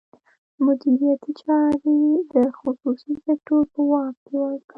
مدیریتي چارې د خصوصي سکتور په واک کې ورکړي.